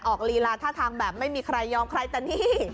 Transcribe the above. ลีลาท่าทางแบบไม่มีใครยอมใครแต่นี่